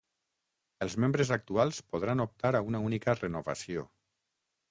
Els membres actuals podran optar a una única renovació.